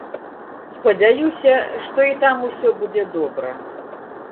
Спадзяюся, што і там усё будзе добра.